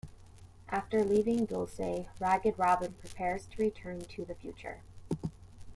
After leaving Dulce, Ragged Robin prepares to return to the future.